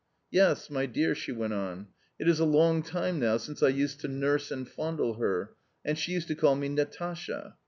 "Yes, my dear," she went on, "it is a long time now since I used to nurse and fondle her, and she used to call me Natasha.